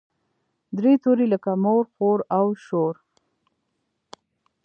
درې توري لکه مور، خور او شور.